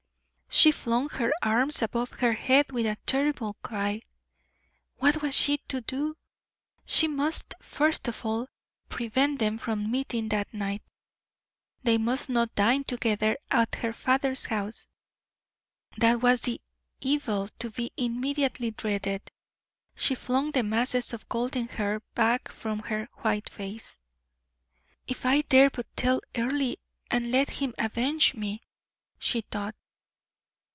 She flung her arms above her head with a terrible cry. What was she to do? She must, first of all, prevent them from meeting that night. They must not dine together at her father's house; that was the evil to be immediately dreaded. She flung the masses of golden hair back from her white face. "If I dare but tell Earle, and let him avenge me," she thought.